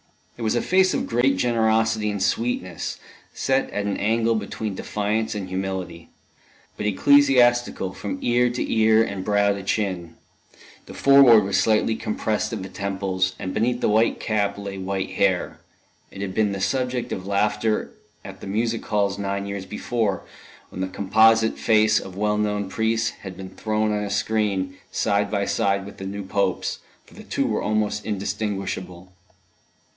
It was a face of great generosity and sweetness, set at an angle between defiance and humility, but ecclesiastical from ear to ear and brow to chin; the forehead was slightly compressed at the temples, and beneath the white cap lay white hair. It had been the subject of laughter at the music halls nine years before, when the composite face of well known priests had been thrown on a screen, side by side with the new Pope's, for the two were almost indistinguishable.